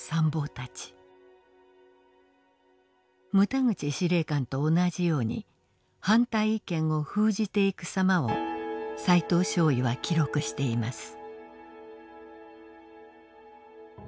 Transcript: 牟田口司令官と同じように反対意見を封じていく様を齋藤少尉は記録しています。